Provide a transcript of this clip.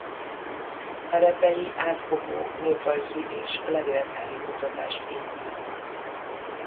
Herepei átfogó néprajzi és levéltári kutatást indít.